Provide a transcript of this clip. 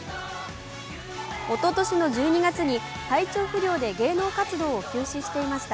おととしの１２月に体調不良で芸能活動を休止していました。